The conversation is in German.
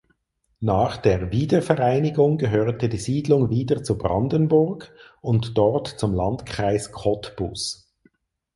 Nach der Wiedervereinigung gehörte die Siedlung wieder zu Brandenburg und dort zum "Landkreis Cottbus".